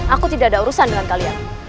aku tidak ada urusan dengan kalian